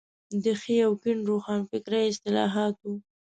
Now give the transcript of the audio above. د ښي او کيڼ روښانفکري اصطلاحات وو.